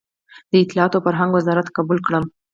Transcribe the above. د اطلاعاتو او فرهنګ وزارت قبول کړم.